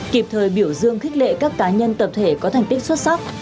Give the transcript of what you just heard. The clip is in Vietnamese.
kịp thời biểu dương khích lệ các cá nhân tập thể có thành tích xuất sắc